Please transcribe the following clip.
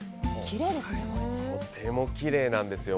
とてもきれいなんですよ。